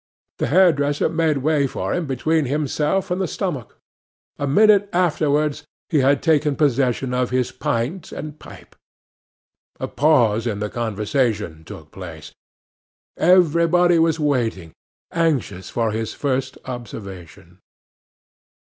The hairdresser made way for him between himself and the stomach. A minute afterwards he had taken possession of his pint and pipe. A pause in the conversation took place. Everybody was waiting, anxious for his first observation.